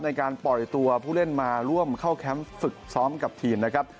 ในการปล่อยตัวผู้เล่นมาร่วมเข้าแคมป์ฝึกซ้อมกับทีมนะครับ